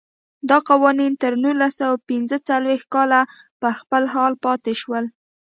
دا قوانین تر نولس سوه پنځه څلوېښت کاله پر خپل حال پاتې شول.